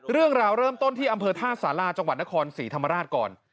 เรื่องราวเริ่มต้นที่อำเภอท่าสาราจังหวัดนคร๔ธรรมราชกร